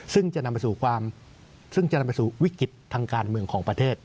ซึ่งจะนำไปสู่ความซึ่งจะนำไปสู่วิกฤตทางการเมืองของประเทศ